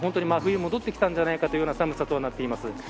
真冬が戻ってきたんじゃないかという寒さとなっています。